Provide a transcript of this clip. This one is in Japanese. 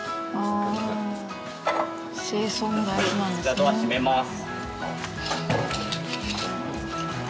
じゃあドア閉めます。